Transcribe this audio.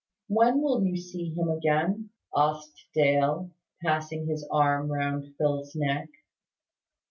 "When will you see him again?" asked Dale, passing his arm round Phil's neck.